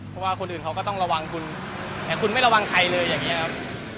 ก็คนอื่นก็ต้องระวังคุณแต่คุณไม่ระวังใครเลยอย่างนี้ครับ